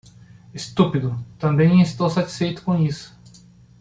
Estúpido, também estou satisfeito com isso.